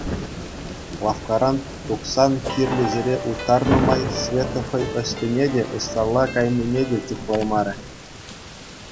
Лавккаран тухсан кирлӗ ҫӗре уттарнӑ май Света хӑй ӑҫтине те, ӑҫталла кайнине те чухлаймарӗ.